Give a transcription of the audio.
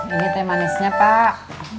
ini teh manisnya pak